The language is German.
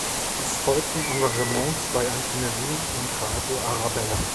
Es folgten Engagements bei Antenne Wien und Radio Arabella.